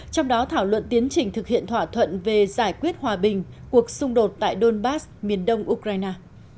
trong đó thảo luận tiến trình thực hiện thỏa thuận về giải quyết hòa bình cuộc xung đột tại donbass miền đông ukraine